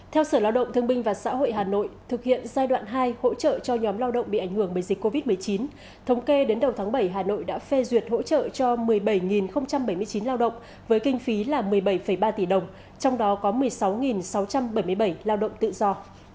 theo sở lao động thương binh và xã hội hà nội thực hiện giai đoạn hai hỗ trợ cho nhóm lao động bị ảnh hưởng bởi dịch covid một mươi chín thống kê đến đầu tháng bảy hà nội đã phê duyệt hỗ trợ cho một mươi bảy bảy mươi chín lao động với kinh phí là một mươi bảy ba tỷ đồng trong đó có một mươi sáu sáu trăm bảy mươi bảy lao động tự do